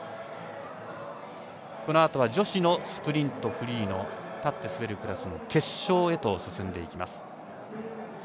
このあとは女子スプリントフリーの立って滑るクラスの決勝へと進んでいきます。